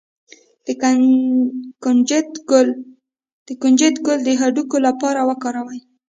د کنجد ګل د هډوکو لپاره وکاروئ